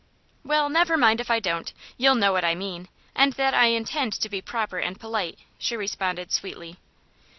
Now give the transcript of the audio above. "Well, never mind if I don't; you'll know what I mean, and that I intend to be proper and polite," she responded, sweetly.